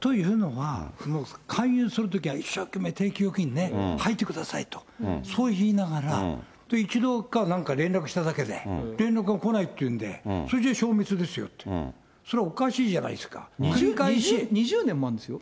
というのは、勧誘するときは一生懸命、定期預金入ってくださいと、そう言いながら、１度かなんか連絡しただけで、連絡が来ないっていうんで、それじゃ消滅ですよって、それはおか２０年もあるんですよ。